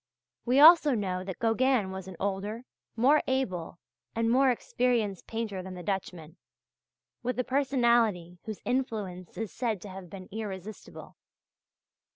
We also know that Gauguin was an older, more able, and more experienced painter than the Dutchman, with a personality whose influence is said to have been irresistible.